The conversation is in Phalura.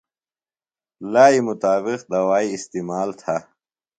لائی مطابق دوائی استعمال تھہ۔